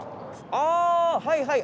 あはいはい！